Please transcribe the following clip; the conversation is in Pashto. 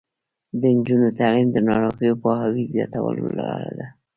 د نجونو تعلیم د ناروغیو پوهاوي زیاتولو لاره ده.